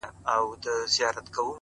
هر انسان ځانګړې وړتیا لري!